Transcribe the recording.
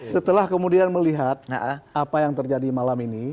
setelah kemudian melihat apa yang terjadi malam ini